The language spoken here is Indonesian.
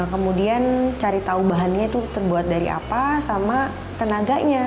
kemudian cari tahu bahannya itu terbuat dari apa sama tenaganya